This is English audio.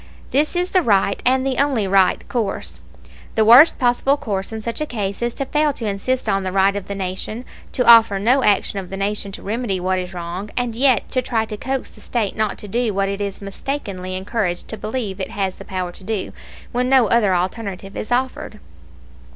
This is the right, and the only right, course. The worst possible course in such a case is to fail to insist on the right of the Nation, to offer no action of the Nation to remedy what is wrong, and yet to try to coax the State not to do what it is mistakenly encouraged to believe it has the power to do, when no other alternative is offered.